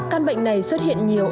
can bệnh này xuất hiện nhiều